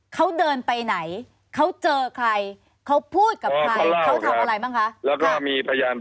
เขาเดินไปไหนเขาเจอใครเขาพูดกับใครเขาทำอะไรบ้างคะ